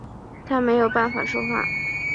他没有办法说话